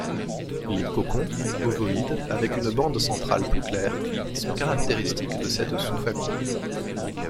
Les cocons, ovoïdes avec une bande centrale plus claire sont caractéristiques de cette sous-famille.